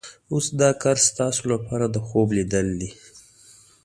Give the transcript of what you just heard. اوس دا کار ستاسو لپاره د خوب لیدل دي.